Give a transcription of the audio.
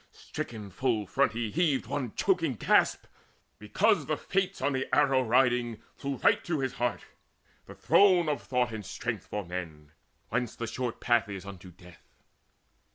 Stricken full front he heaved one choking gasp, Because the fates on the arrow riding flew Right to his heart, the throne of thought and strength For men, whence short the path is unto death.